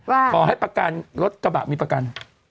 ขอให้ประกันรถกระบะมีประกัน